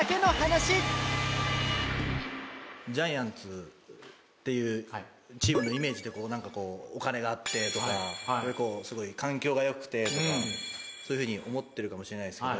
ジャイアンツっていうチームのイメージってこう何かお金があってとかすごい環境がよくてとかそういうふうに思ってるかもしれないですけど。